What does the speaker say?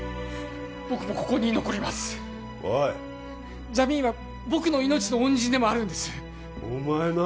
僕もここに残りますおいジャミーンは僕の命の恩人でもあるんですお前な